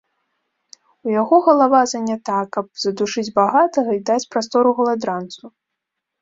У яго галава занята, каб задушыць багатага і даць прастору галадранцу.